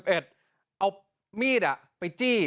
เอามีดอ่ะไปจี้